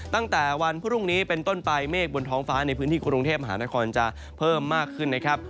ตั้งแต่วันพรุ่งนี้เป็นต้นไปเมฆบนท้องฟ้าในพื้นที่กรุงเทพมหานครจะเพิ่มมากขึ้นนะครับ